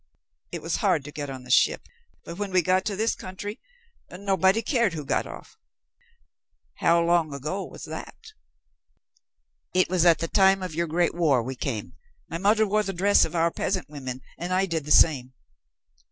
It was hard to get on the ship, but when we got to this country, nobody cared who got off." "How long ago was that?" "It was at the time of your great war we came. My mother wore the dress of our peasant women, and I did the same."